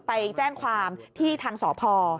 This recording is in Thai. ไปแจ้งความที่ทางสพ